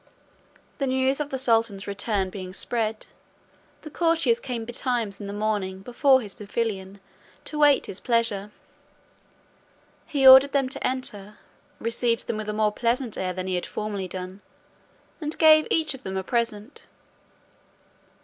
The news of the sultan's return being spread, the courtiers came betimes in the morning before his pavilion to wait his pleasure. He ordered them to enter, received them with a more pleasant air than he had formerly done, and gave each of them a present.